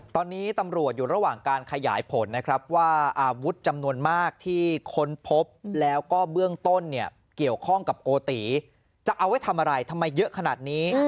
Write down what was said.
ตอนนี้ตำรวจอยู่ระหว่างการขยายผลนะครับว่าอาวุธจำนวนมากที่ค้นพบแล้วก็เบื้องต้นเนี่ยเกี่ยวข้องกับโกติจะเอาไว้ทำอะไรทำไมเยอะขนาดนี้